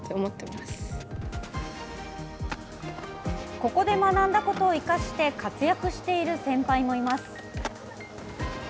ここで学んだことを生かして活躍している先輩もいます。